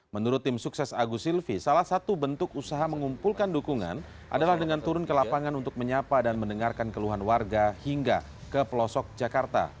menurut tim sukses agus silvi salah satu bentuk usaha mengumpulkan dukungan adalah dengan turun ke lapangan untuk menyapa dan mendengarkan keluhan warga hingga ke pelosok jakarta